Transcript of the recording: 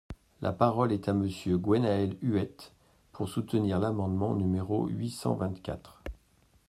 La parole est à Monsieur Guénhaël Huet, pour soutenir l’amendement numéro huit cent vingt-quatre.